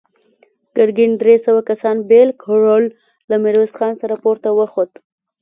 ګرګين درې سوه کسان بېل کړل، له ميرويس خان سره پورته وخوت.